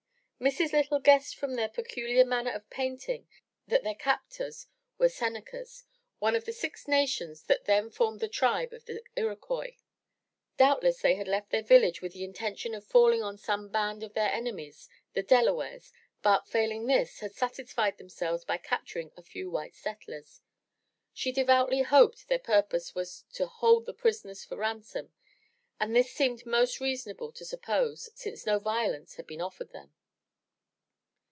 Mrs. Lytle guessed from their peculiar manner of painting that their captors were Senecas, one of the six nations that then formed the tribe of the Iroquois. Doubtless they had left their village with the intention of falling on some band of their enemies, the Delawares, but, failing this, had satisfied * themselves by capturing a few white settlers. She devoutly hoped their purpose was to hold the prisoners for ransom, and this seemed most rea sonable to suppose, since no violence had been offered them.